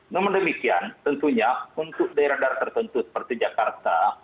namun demikian tentunya untuk daerah daerah tertentu seperti jakarta